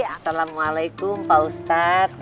assalamualaikum pak ustadz